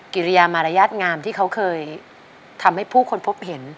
กิริยามารยาทงามที่เขาเคยทำให้ผู้คนพบเห็น